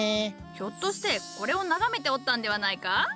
ひょっとしてこれを眺めておったんではないか？